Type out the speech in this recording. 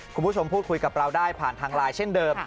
คุณผู้ชมพูดคุยกับเราได้ผ่านทางไลน์เช่นเดิม